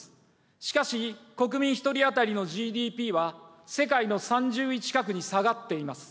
しかし、国民１人当たりのＧＤＰは、世界の３０位近くに下がっています。